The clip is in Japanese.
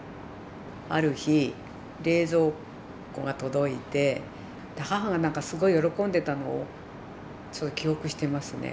ある日冷蔵庫が届いて母がすごい喜んでたのを記憶してますね。